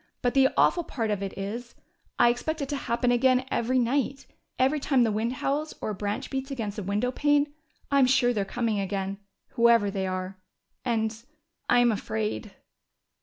But the awful part of it is: I expect it to happen again every night. Every time the wind howls or a branch beats against a windowpane, I'm sure they're coming again whoever they are. And I'm afraid!"